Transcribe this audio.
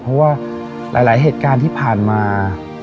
เพราะว่าหลายเหตุการณ์ที่ผ่านมา